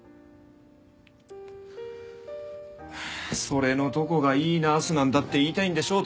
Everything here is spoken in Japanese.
それのどこがいいナースなんだって言いたいんでしょ